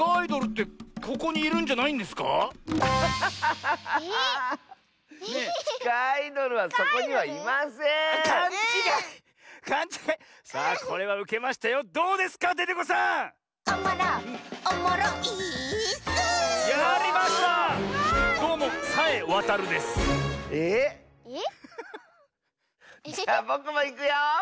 じゃぼくもいくよ！